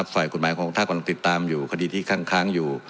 ฝ่ายกุฎหมายคงทักประตูติดตามอยู่คดีที่ค้างอยู่